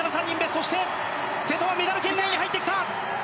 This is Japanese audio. そして瀬戸がメダル圏内に入ってきた。